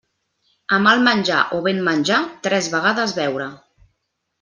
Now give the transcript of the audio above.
A mal menjar o ben menjar, tres vegades beure.